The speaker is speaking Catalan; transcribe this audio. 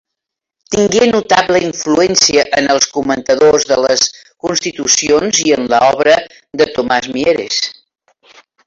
Tingué notable influència en els comentadors de les Constitucions i en l'obra de Tomàs Mieres.